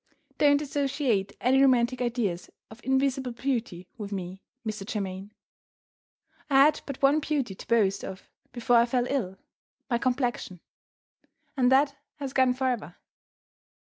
Don't associate any romantic ideas of invisible beauty with me, Mr. Germaine. I had but one beauty to boast of before I fell ill my complexion and that has gone forever.